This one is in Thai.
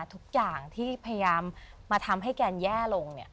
ทุกอย่างที่พยายามมาทำให้แกนแย่ลง